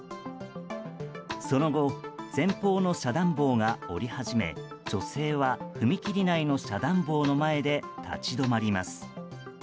その後、前方の遮断棒が下り始め女性は踏切内の遮断棒の前で立ち止まります。